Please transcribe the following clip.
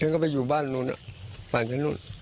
ฝั่งชั้นนู่นฝั่งชั้นนู่น